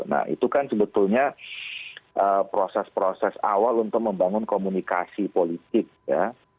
nah itu kan sebetulnya proses proses awal untuk membangun komunikasi politik ya